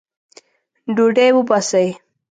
ډوډۍ وباسئ